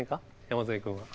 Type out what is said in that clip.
山添君は。